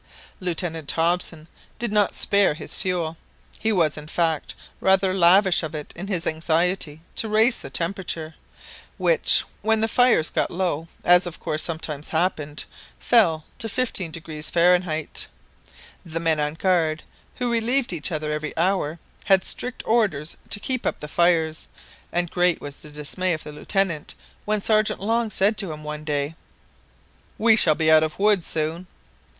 Lieutenant Hobson did not spare his fuel; he was, in fact, rather lavish of it in his anxiety to raise the temperature, which, when the fires got low as of course sometimes happened fell to 15° Fahrenheit. The men on guard, who relieved each other every hour, had strict orders to keep up the fires, and great was the dismay of the Lieutenant when Sergeant Long said to him one day— "We shall be out of wood soon